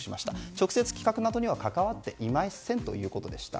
直接企画などには関わっていませんということでした。